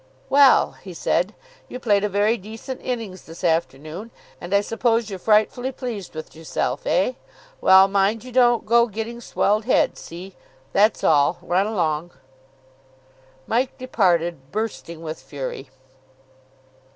"Well," he said, "you played a very decent innings this afternoon, and I suppose you're frightfully pleased with yourself, eh? Well, mind you don't go getting swelled head. See? That's all. Run along." Mike departed, bursting with fury.